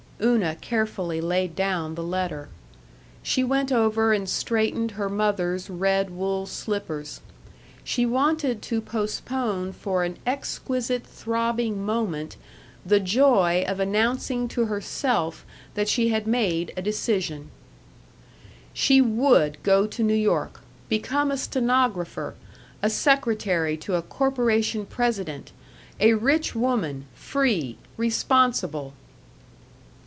Una carefully laid down the letter. She went over and straightened her mother's red wool slippers. She wanted to postpone for an exquisite throbbing moment the joy of announcing to herself that she had made a decision. She would go to New York, become a stenographer, a secretary to a corporation president, a rich woman, free, responsible.